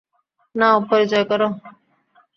নাও, পরিচয় করো।